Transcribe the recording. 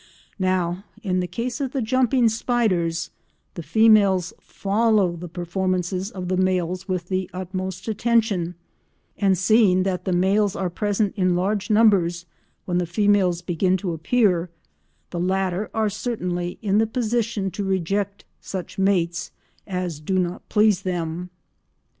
Now in the case of the jumping spiders the females follow the performances of the males with the utmost attention, and seeing that the males are present in large numbers when the females begin to appear, the latter are certainly in the position to reject such mates as do not please them.